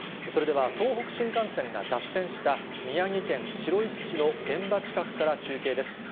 それでは東北新幹線が脱線した、宮城県白石市の現場近くから中継です。